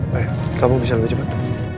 baik kamu bisa lebih cepat